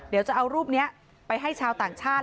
เดี๋ยวจะเอารูปนี้ไปให้ชาวต่างชาติ